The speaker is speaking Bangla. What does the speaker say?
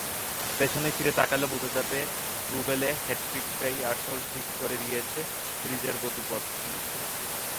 পেছন ফিরে তাকালে বোঝা যাবে, রুবেলে হ্যাটট্রিকটাই আসলে ঠিক করে দিয়েছে সিরিজের গতিপথও।